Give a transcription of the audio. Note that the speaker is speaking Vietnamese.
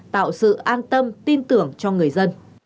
tạo sự an tâm tin tưởng cho người dân